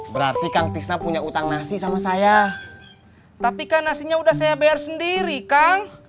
berarti kang tisna punya utang nasi sama saya tapi kan nasinya udah saya bayar sendiri kang